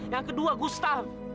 yang kedua gustaf